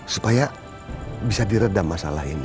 supaya bisa diredam masalah ini